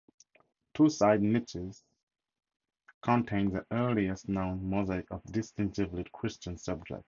Two side niches contain the earliest known mosaics of distinctively Christian subjects.